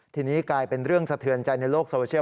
ทีนี้กลายเป็นเรื่องสะเทือนใจในโลกโซเชียล